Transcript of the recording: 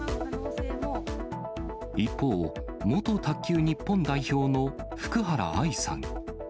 一方、元卓球日本代表の福原愛さん。